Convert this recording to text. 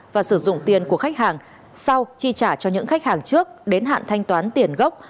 và sử dụng tiền của khách hàng sau chi trả cho những khách hàng trước đến hạn thanh toán tiền gốc